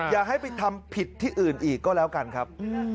อย่าให้ไปทำผิดที่อื่นอีกก็แล้วกันครับ